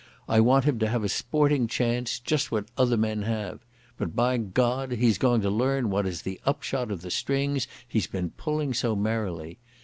I want him to have a sporting chance, just what other men have. But, by God, he's going to learn what is the upshot of the strings he's been pulling so merrily....